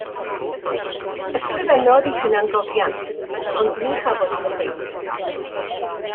Ysgrifennodd ei hunangofiant, ond ni chafodd ei gyhoeddi.